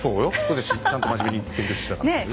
私ちゃんと真面目に勉強してきたから。